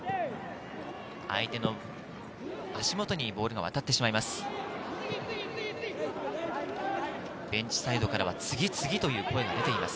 相手の足元にボールが渡ってしまいます。